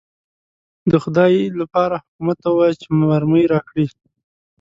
د خدای لپاره حکومت ته ووایاست چې مرمۍ راکړي.